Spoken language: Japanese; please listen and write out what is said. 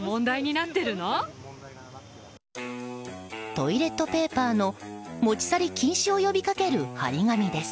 トイレットペーパーの持ち去り禁止を呼びかける貼り紙です。